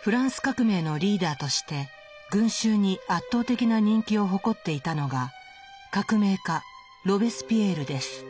フランス革命のリーダーとして群衆に圧倒的な人気を誇っていたのが革命家ロベスピエールです。